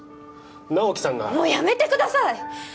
直木さんがもうやめてください！